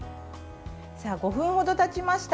５分程たちました。